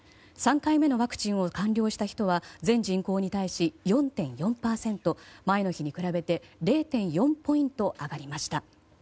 ３回目のワクチンを完了した人は全人口に対し４．４％と、前の日に比べて０．４ポイント上がりました。